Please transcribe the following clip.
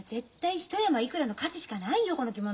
一山いくらの価値しかないよこの着物。